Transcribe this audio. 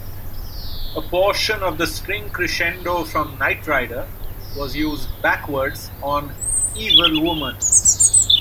A portion of the string crescendo from "Nightrider" was used backwards on "Evil Woman".